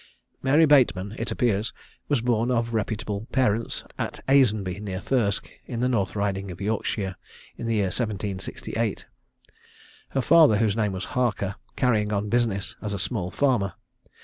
Mary Bateman, it appears, was born of reputable parents at Aisenby, near Thirsk, in the North riding of Yorkshire, in the year 1768: her father, whose name was Harker, carrying on business as a small farmer.